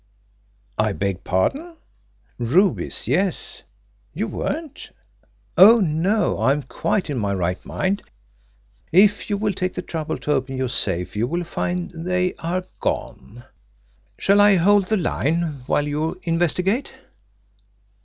... I beg pardon! ... Rubies yes. ... You weren't. ... Oh, no, I am quite in my right mind; if you will take the trouble to open your safe you will find they are gone shall I hold the line while you investigate?